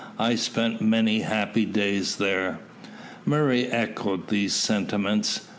I spent many happy days there." Murray echoed these sentiments.